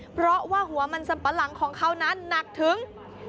เพราะว่าหัวมันสัมปะหลังของเขานั้นหนักถึง